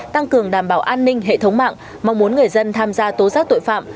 tăng cường đảm bảo an ninh hệ thống mạng mong muốn người dân tham gia tố giác tội phạm